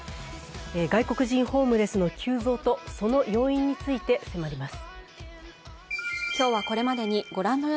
外国人ホームレスの急増とその要因について迫ります。